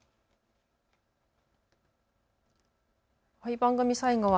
番組最後は＃